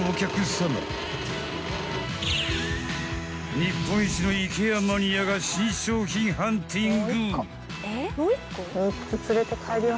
日本一のＩＫＥＡマニアが新商品ハンティング。